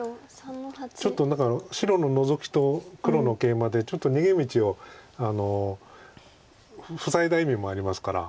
ちょっとだから白のノゾキと黒のケイマでちょっと逃げ道を塞いだ意味もありますから。